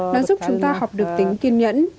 nó giúp chúng ta học được tính kiên nhẫn